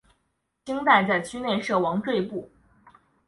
清代在区内设王赘步。